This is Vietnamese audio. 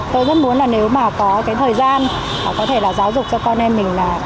tôi rất muốn là nếu mà có cái thời gian họ có thể là giáo dục cho con em mình là